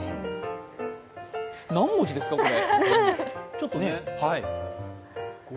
何文字ですか、これ。